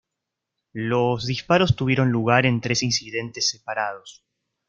Los disparos tuvieron lugar en tres incidentes separados.